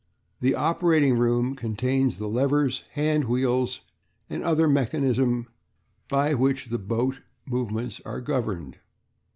The "operating" room contains the levers, handwheels, and other mechanism by which the boat's movements are governed.